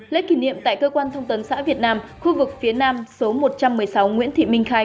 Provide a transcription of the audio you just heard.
lễ kỷ niệm tại cơ quan thông tấn xã việt nam khu vực phía nam số một trăm một mươi sáu nguyễn thị minh khai